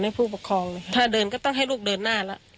ผู้ปกครองถ้าเดินก็ต้องให้ลูกเดินหน้าแล้ว